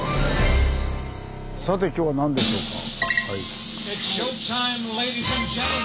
さて今日は何でしょうか。